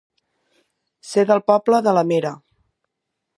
Ser del poble de la mera.